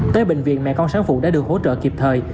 tới bệnh viện mẹ con sáng phụ đã được hỗ trợ kịp thời